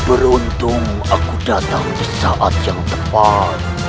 beruntung aku datang di saat yang tepat